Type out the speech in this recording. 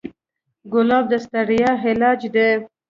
ګلاب د ستړیا علاج دی.